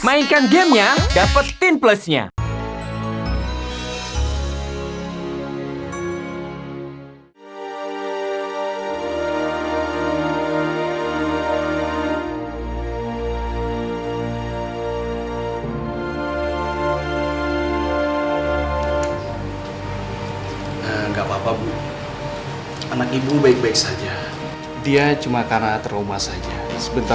mainkan gamenya dapetin plusnya